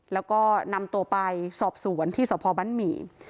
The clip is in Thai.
แล้วก็นำตัวไปสอบสวนที่สพบ้านหมี่